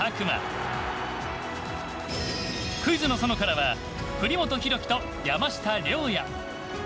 「クイズの園」からは栗本広輝と山下諒也。